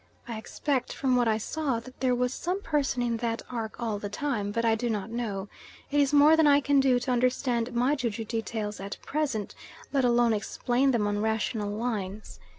I expect, from what I saw, that there was some person in that ark all the time, but I do not know. It is more than I can do to understand my ju ju details at present, let alone explain them on rational lines.